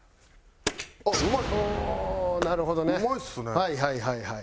はいはいはいはい。